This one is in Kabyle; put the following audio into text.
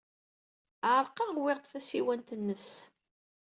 Ɛerqeɣ, uwyeɣ-d tasiwant-nnes.